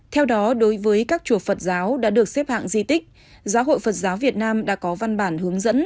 theo đó đối với các chùa phật giáo đã được xếp hạng di tích giáo hội phật giáo việt nam đã có văn bản hướng dẫn